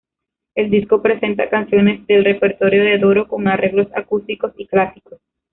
El disco presenta canciones del repertorio de Doro con arreglos acústicos y clásicos.